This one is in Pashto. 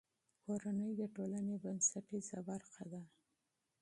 کورنۍ د ټولنې بنسټیزه برخه ده.